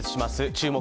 「注目！